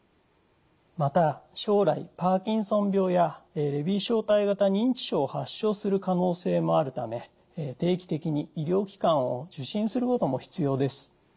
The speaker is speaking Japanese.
また将来パーキンソン病やレビー小体型認知症を発症する可能性もあるため定期的に医療機関を受診することも必要です。